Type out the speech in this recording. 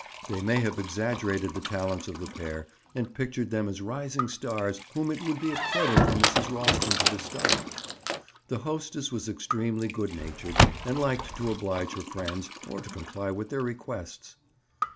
They may have exaggerated the talents of the pair and pictured them as rising stars whom it would be a credit for Mrs. Ralston to discover. The hostess was extremely good natured and liked to oblige her friends, or to comply with their requests.